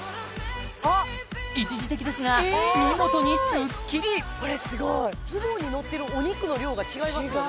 一時的ですが見事にスッキリこれすごいズボンにのってるお肉の量が違いますよね